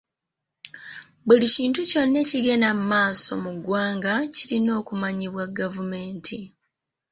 Buli kintu kyonna ekigenda mu maaso mu ggwanga kirina okumanyibwa gavumenti.